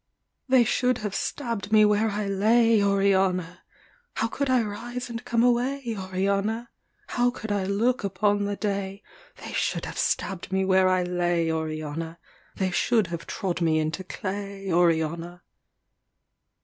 They should have stabb'd me where I lay, Oriana! How could I rise and come away, Oriana? How could I look upon the day? They should have stabb'd me where I lay, Oriana They should have trod me into clay, Oriana.